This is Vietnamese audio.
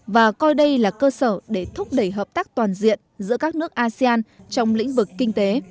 và coi đây là cơ sở để thúc đẩy hợp tác toàn diện giữa các nước asean trong lĩnh vực kinh tế